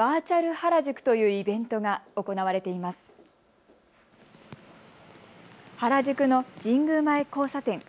原宿の神宮前交差点。